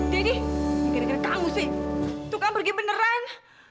daddy gini gini kamu sih tukang pergi beneran